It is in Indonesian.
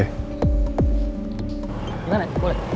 bukan ya boleh